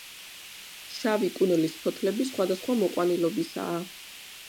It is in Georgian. შავი კუნლის ფოთლები სხვადასხვა მოყვანილობისაა.